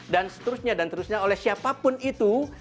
dan seterusnya dan seterusnya oleh siapapun itu